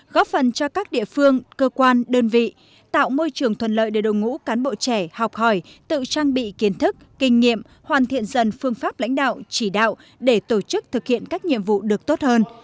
góp phần cho các địa phương cơ quan đơn vị tạo môi trường thuận lợi để đồng ngũ cán bộ trẻ học hỏi tự trang bị kiến thức kinh nghiệm hoàn thiện dần phương pháp lãnh đạo chỉ đạo để tổ chức thực hiện các nhiệm vụ được tốt hơn